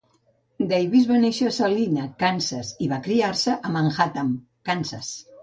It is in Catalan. Davis va néixer a Salina, Kansas, i va criar-se a Manhattan, Kansas.